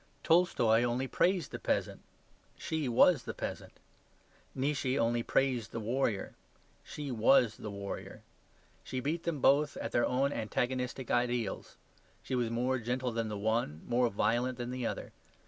Tolstoy only praised the peasant; she was the peasant. Nietzsche only praised the warrior; she was the warrior. She beat them both at their own antagonistic ideals; she was more gentle than the one, more violent than the other.